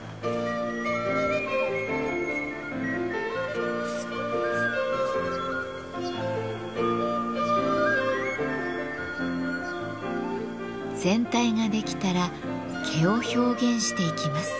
とにかく全体ができたら毛を表現していきます。